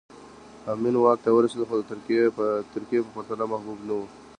امین واک ته ورسېد خو د ترکي په پرتله محبوب نه و